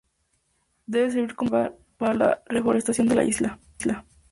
Debe servir como reserva para la reforestación de la isla.